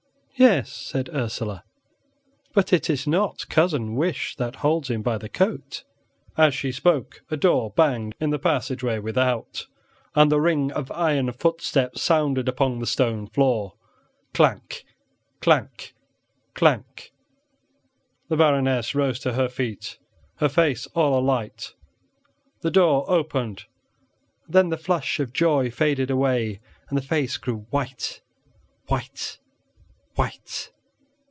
"Yes," said Ursela; "but it is not cousin wish that holds him by the coat." As she spoke, a door banged in the passageway without, and the ring of iron footsteps sounded upon the stone floor. Clank! Clank! Clank! The Baroness rose to her feet, her face all alight. The door opened; then the flush of joy faded away and the face grew white, white, white.